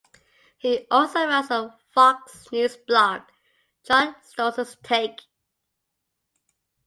He also writes a Fox News blog, "John Stossel's Take".